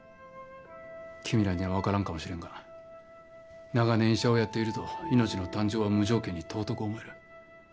君らにはわからんかもしれんが長年医者をやっていると命の誕生は無条件に尊く思える。